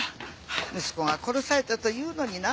息子が殺されたというのにな